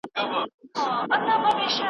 موږ د اوبو غاړې ته کېږدۍ ودرولې.